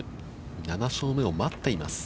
７勝目を待っています。